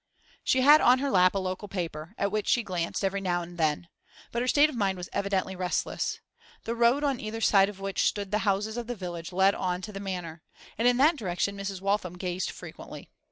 She had on her lap a local paper, at which she glanced every now and then; but her state of mind was evidently restless. The road on either side of which stood the houses of the village led on to the Manor, and in that direction Mrs. Waltham gazed frequently.